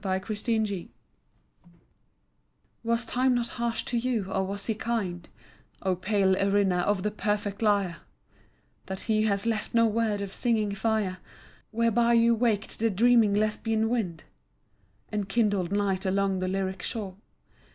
To Erinna Was Time not harsh to you, or was he kind, O pale Erinna of the perfect lyre, That he has left no word of singing fire Whereby you waked the dreaming Lesbian wind, And kindled night along the lyric shore?